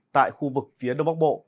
tại khu vực phía đông bắc bộ